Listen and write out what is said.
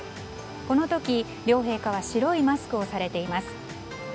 この時、両陛下は白いマスクをされています。